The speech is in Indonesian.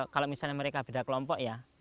kalau misalnya mereka beda kelompok ya